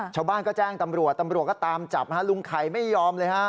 ชาวบ้านก็แจ้งตำรวจตำรวจก็ตามจับฮะลุงไข่ไม่ยอมเลยฮะ